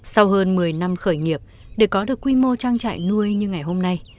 sau hơn một mươi năm khởi nghiệp để có được quy mô trang trại nuôi như ngày hôm nay